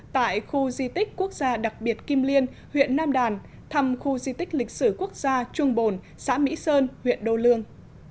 tại khu di tích quốc gia đặc biệt kim liên huyện nam đàn thăm khu di tích lịch sử quốc gia trung bồn xã mỹ sơn huyện đô lương